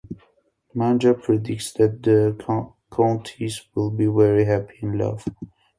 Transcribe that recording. Manja predicts that The Countess will be very happy in love.